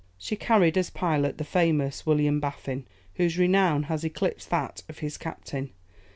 She carried, as pilot, the famous William Baffin, whose renown has eclipsed that of his captain.